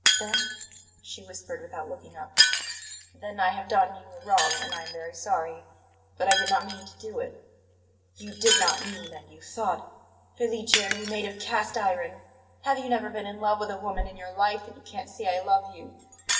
"Then?" she whispered, without looking up. "Then I have done you a wrong, and I am very sorry. But I did not mean to do it." "You 'did not mean' and you 'thought' Felice, are you made of cast iron? Have you never been in love with a woman in your life that you can't see I love you?"